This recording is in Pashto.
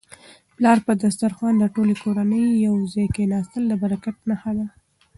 د پلار په دسترخوان د ټولې کورنی یو ځای کيناستل د برکت نښه ده.